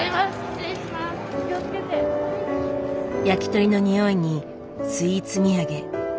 焼き鳥のにおいにスイーツ土産。